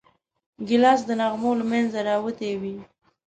ګیلاس د نغمو له منځه راوتی وي.